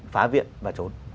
phá viện và trốn